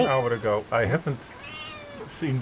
họ rất thân thiện